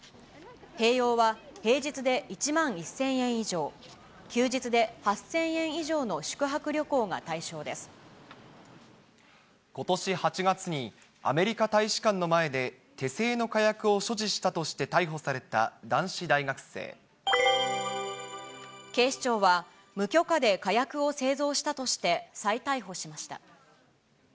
併用は平日で１万１０００円以上、休日で８０００円以上の宿泊旅行ことし８月に、アメリカ大使館の前で手製の火薬を所持したとして逮捕された男子警視庁は、無許可で火薬を製造したとして再逮捕しました。